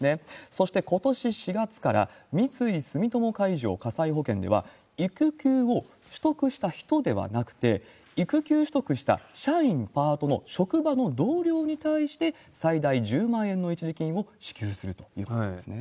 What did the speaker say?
そしてことし４月から、三井住友海上火災保険では、育休を取得した人ではなくて、育休取得した社員、パートの職場の同僚に対して、最大１０万円の一時金を支給するということですね。